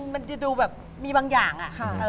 มันจะดูแบบมีบางอย่างอะ